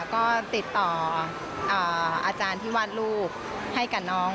ก็ติดต่ออาจารย์ที่วาดรูปให้กับน้อง